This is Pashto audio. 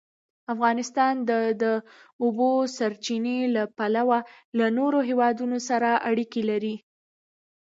افغانستان د د اوبو سرچینې له پلوه له نورو هېوادونو سره اړیکې لري.